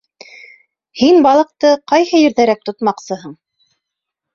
— Һин балыҡты ҡайһы ерҙәрәк тотмаҡсыһың?